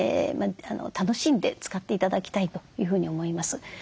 楽しんで使って頂きたいというふうに思います。